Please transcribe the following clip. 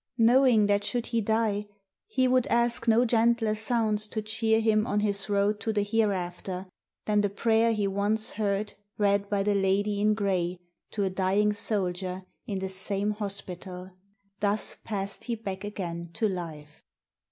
Knowing that should he die he would ask no gentler sounds to cheer him on his road to the Hereafter, than the prayer he once heard read by The Lady in Gray to a dying soldier in the same hospital:... thus passed he back again to life.